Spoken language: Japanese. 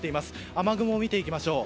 雨雲を見ていきましょう。